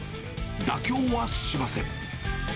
妥協はしません。